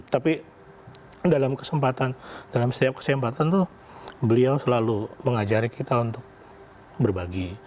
tapi kan dalam kesempatan dalam setiap kesempatan tuh beliau selalu mengajari kita untuk berbagi